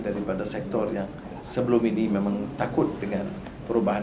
daripada sektor yang sebelum ini memang takut dengan perubahan